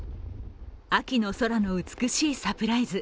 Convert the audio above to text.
秋の空の美しいサプライズ。